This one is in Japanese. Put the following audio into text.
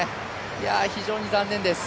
非常に残念です。